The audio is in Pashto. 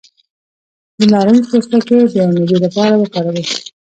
د نارنج پوستکی د معدې لپاره وکاروئ